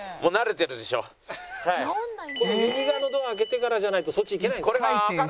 右側のドア開けてからじゃないとそっち行けないんですか？